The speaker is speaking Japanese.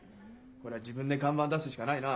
こりゃ自分で看板出すしかないな。